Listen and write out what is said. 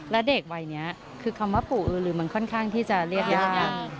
และเด็กวัยนี้คือคำว่าปู่เออหรือมันค่อนข้างที่จะเรียกยาก